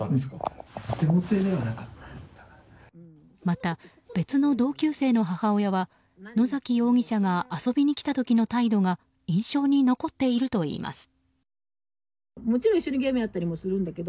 また、別の同級生の母親は野崎容疑者が遊びに来た時の態度が印象に残っているといいます。